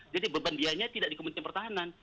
jadi beban biayanya tidak di kementerian pertahanan